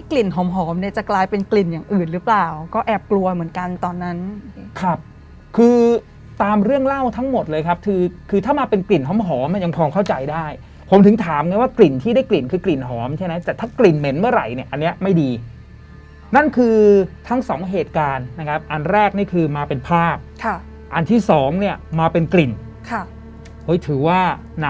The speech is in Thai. กันตอนนั้นครับคือตามเรื่องเล่าทั้งหมดเลยครับคือคือถ้ามาเป็นกลิ่นหอมมันยังพอเข้าใจได้ผมถึงถามไงว่ากลิ่นที่ได้กลิ่นคือกลิ่นหอมใช่ไหมแต่ถ้ากลิ่นเหม็นเมื่อไหร่เนี่ยอันเนี้ยไม่ดีนั่นคือทั้งสองเหตุการณ์นะครับอันแรกนี่คือมาเป็นภาพค่ะอันที่สองเนี่ยมาเป็นกลิ่นค่ะเฮ้ยถือว่าหนั